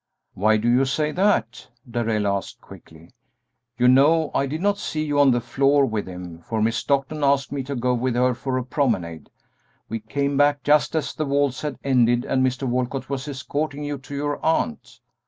"Why do you say that?" Darrell asked, quickly; "you know I did not see you on the floor with him, for Miss Stockton asked me to go with her for a promenade. We came back just as the waltz had ended and Mr. Walcott was escorting you to your aunt.